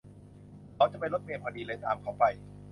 เขาจะไปรถเมล์พอดี เลยตามเขาไป